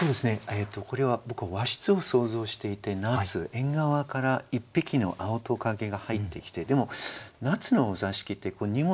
これは僕は和室を想像していて夏縁側から一匹の青蜥蜴が入ってきてでも夏のお座敷って荷物